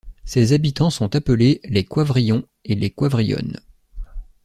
Ses habitants sont appelés les Coivrillons et les Coivrillonnes.